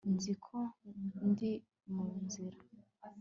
nzi ko ndi mu nzira